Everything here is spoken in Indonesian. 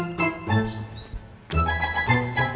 mari mas jono assalamualaikum